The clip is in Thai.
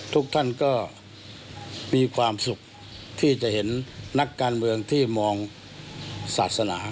ทุกท่านก็มีความสุขที่จะเห็นนักการเมืองที่มองศาสนา